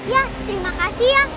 ya terima kasih ya